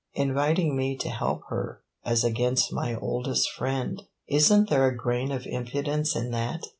Inviting me to help her as against my oldest friend is n't there a grain of impudence in that?"